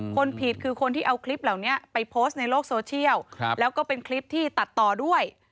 คนผิดคือคนที่เอาคลิปเหล่านี้ไปโพสต์ในโลกโซเชียลแล้วก็เป็นคลิปที่ตัดต่อด้วย